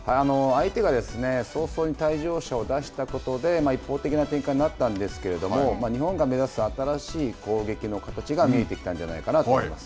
相手が早々に退場者を出したことで、一方的な展開になったんですけれども、日本が目指す新しい攻撃の形が見えてきたんじゃないかなと思います。